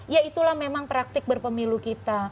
yaitulah memang praktik berpemilu kita